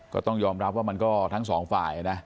ก็ต้องยอมรับว่ามันก็ทั้งสองฝ่ายนะ